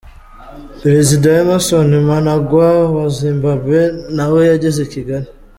Perezida Emmerson Mnangagwa wa Zimbabwe nawe yageze i Kigali.